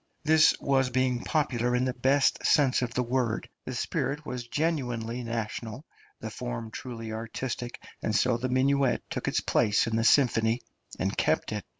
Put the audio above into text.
This was being popular in the best sense of the word; the spirit was genuinely national, the form truly artistic; and so the minuet took its place in the symphony, and kept it.